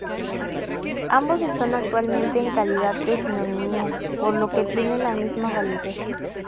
Ambos están actualmente en calidad de sinonimia, por lo que tienen la misma validez.